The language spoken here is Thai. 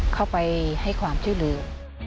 เข้าไปให้ความที่ลืม